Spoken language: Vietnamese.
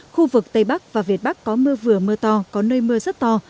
khu vực tây bắc và việt bắc có mưa vừa mưa to có nơi mưa rất to